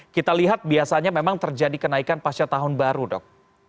kita lihat biasanya memang terjadi kenaikan pasca tahun baru dok